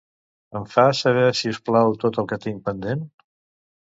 Em fas saber si us plau tot el que tinc pendent?